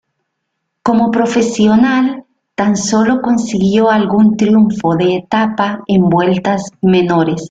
Como profesional tan sólo consiguió algún triunfo de etapa en vueltas menores.